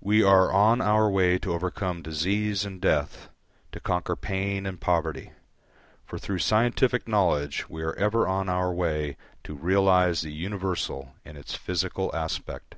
We are on our way to overcome disease and death, to conquer pain and poverty; for through scientific knowledge we are ever on our way to realise the universal in its physical aspect.